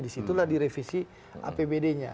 disitulah direvisi apbd nya